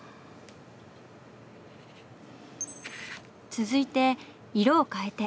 続いて色を変えて。